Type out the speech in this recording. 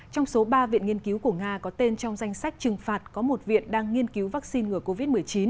trong số ba viện nghiên cứu của nga có tên trong danh sách trừng phạt có một viện đang nghiên cứu vaccine ngừa covid một mươi chín